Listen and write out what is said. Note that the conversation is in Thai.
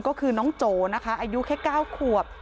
ก็คือน้องโจนะคะอายุแค่๙ขวบ